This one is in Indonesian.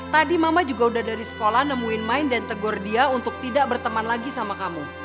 tadi mama juga udah dari sekolah nemuin main dan tegur dia untuk tidak berteman lagi sama kamu